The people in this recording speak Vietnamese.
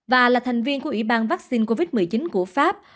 và là thành viên của ủy ban vaccine covid một mươi chín của pháp